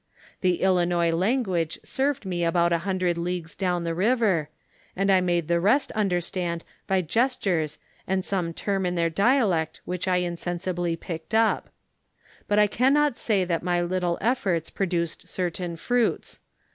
The Ilinois language served me about a hundred leagues down the riven, and I made the rest understand by gestures and some term in their dialect which I insensibly picked up ; but I can not say that my little ef forts produced certain fruits.